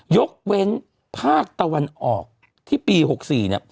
ยกเว้นภาคตะวันออกที่ปี๖๔เนี่ย